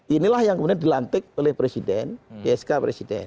inilah yang kemudian dilantik oleh presiden psk presiden